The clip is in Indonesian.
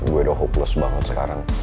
gue udah hopeless banget sekarang